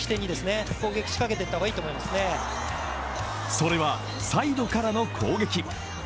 それはサイドからの攻撃。